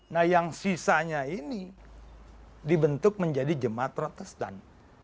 nah yang sisanya ini dibentuk menjadi jemaat protestan